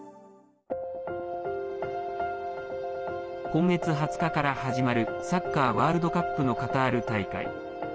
今月２０日から始まるサッカーワールドカップのカタール大会。